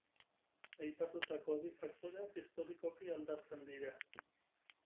Aipatutako bi faktoreak historikoki aldatzen dira.